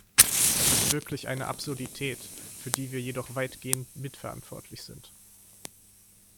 Das ist wirklich eine Absurdität, für die wir jedoch weitgehend mitverantwortlich sind.